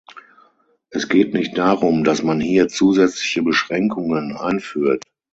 Es geht nicht darum, dass man hier zusätzliche Beschränkungen einführt.